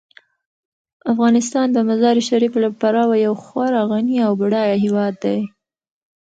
افغانستان د مزارشریف له پلوه یو خورا غني او بډایه هیواد دی.